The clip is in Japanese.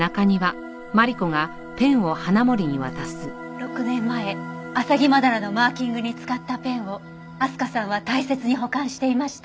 ６年前アサギマダラのマーキングに使ったペンをあすかさんは大切に保管していました。